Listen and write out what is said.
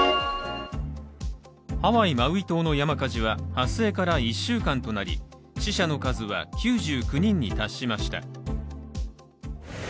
ハワイ・マウイ島の山火事は発生から１週間となり死者の数は９９人に達しました。